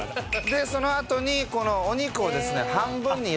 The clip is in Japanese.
でそのあとにこのお肉をですね半分に寄せて。